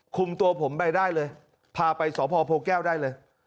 คุมตัวผมไปได้เลยพาไปสพโพแก้วได้เลย